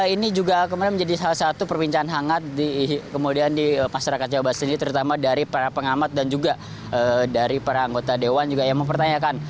ini juga kemudian menjadi salah satu perbincangan hangat kemudian di masyarakat jawa barat sendiri terutama dari para pengamat dan juga dari para anggota dewan juga yang mempertanyakan